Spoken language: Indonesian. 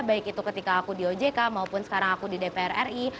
baik itu ketika aku di ojk maupun sekarang aku di dpr ri